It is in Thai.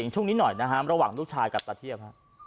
ช่วงนี้หน่อยนะฮะระหว่างลูกชายกับตาเทียบ